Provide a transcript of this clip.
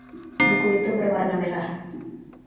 Buku itu berwarna merah.